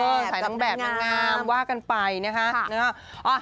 เป็นสายประกวดสายนางแบบนางงามว่ากันไปนะฮะ